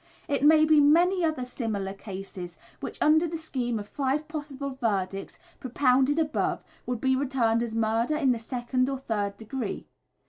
It may be many another similar case which under the scheme of five possible verdicts, propounded above, would be returned as murder in the second or third degree.